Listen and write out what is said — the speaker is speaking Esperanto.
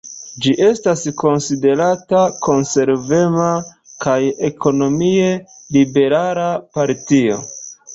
Ĝi estas konsiderata konservema kaj ekonomie liberala partio.